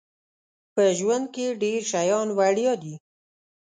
په ژوند کې ډیر شیان وړيا دي